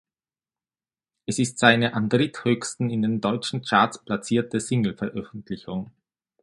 Es ist seine am dritthöchsten in den deutschen Charts platzierte Singleveröffentlichung.